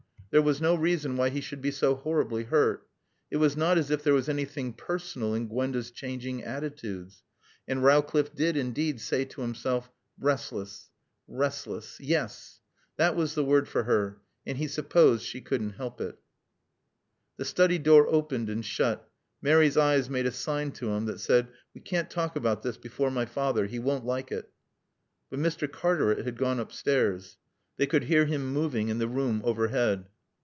There was no reason why he should be so horribly hurt. It was not as if there was anything personal in Gwenda's changing attitudes. And Rowcliffe did indeed say to himself, Restless restless. Yes. That was the word for her; and he supposed she couldn't help it. The study door opened and shut. Mary's eyes made a sign to him that said, "We can't talk about this before my father. He won't like it." But Mr. Cartaret had gone upstairs. They could hear him moving in the room overhead.